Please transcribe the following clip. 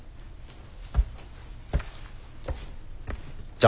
じゃ。